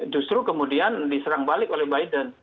justru kemudian diserang balik oleh biden